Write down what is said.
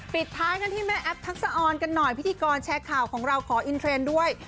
ปิดท้ายกันที่แม่แอฟทักษะออนกันหน่อยพิธีกรแชร์ข่าวของเราขออินเทรนด์ด้วย